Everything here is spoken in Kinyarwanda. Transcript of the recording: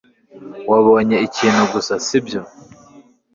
Wabonye ikintu gusa, sibyo?